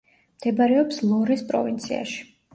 მდებარეობს ლორეს პროვინციაში.